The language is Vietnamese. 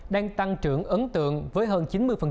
đang tăng trưởng ấn tượng với hơn chín mươi